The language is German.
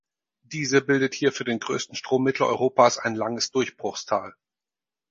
Diese bildet hier für den größten Strom Mitteleuropas ein langes Durchbruchstal.